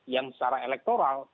yang secara elektoral